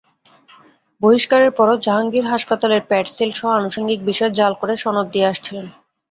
বহিষ্কারের পরও জাহাঙ্গীর হাসপাতালের প্যাড-সিলসহ আনুষঙ্গিক বিষয় জাল করে সনদ দিয়ে আসছিলেন।